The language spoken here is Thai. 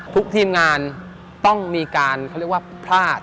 ทุกทีมงานต้องมีการพลาด